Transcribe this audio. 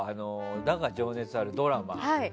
「だが、情熱はある」のドラマ。